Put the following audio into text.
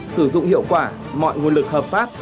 sử dụng hiệu quả mọi nguồn lực hợp pháp